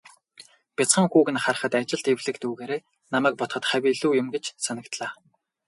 Бяцхан хүүг нь харахад, ажилд эвлэг дүйгээрээ намайг бодоход хавь илүү юм гэж санагдлаа.